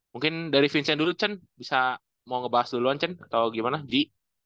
mungkin dari vincent dulu chen bisa mau ngebahas duluan chen atau gimana di